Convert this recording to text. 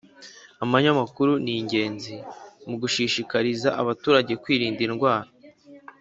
Amanyamakuru ni ingenzi mugushishikariza abaturage kwirinda indwara